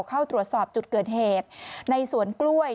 เข้าตรวจสอบจุดเกิดเหตุในสวนกล้วย